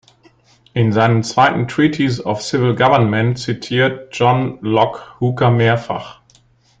In seinem zweiten "Treatise of Civil Government" zitiert John Locke Hooker mehrfach.